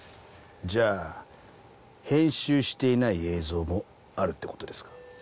じゃあ編集していない映像もあるって事ですか？